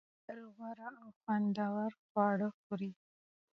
هغه تل غوره او خوندور خواړه خوري